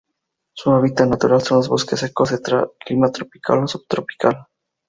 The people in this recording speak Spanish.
Su hábitat natural son los bosques secos de clima tropical o subtropical.